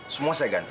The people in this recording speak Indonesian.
semua saya ganti